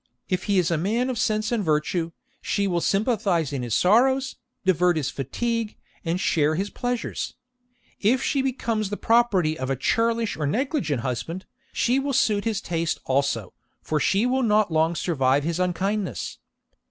If he is a man of sense and virtue, she will sympathise in his sorrows, divert his fatigue, and share his pleasures. If she becomes the property of a churlish or negligent husband, she will suit his taste also, for she will not long survive his unkindness.